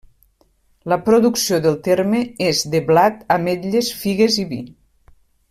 La producció del terme és de blat, ametlles, figues i vi.